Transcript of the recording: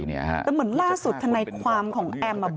แต่เหมือนล่าสุดในความของแอมบอกนะคะ